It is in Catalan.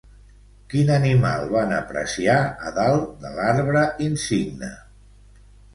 Quin animal van apreciar a dalt de l'arbre insigne?